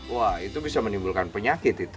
wah itu bisa menimbulkan penyakit itu